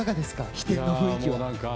飛天の雰囲気は。